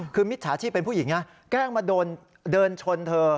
คือมิจฉาชีพเป็นผู้หญิงนะแกล้งมาเดินชนเธอ